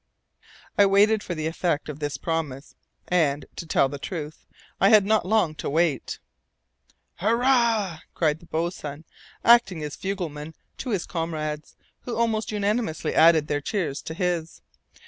I waited for the effect of this promise, and, to tell the truth, I had not to wait long. "Hurrah!" cried the boatswain, acting as fugleman to his comrades, who almost unanimously added their cheers to his.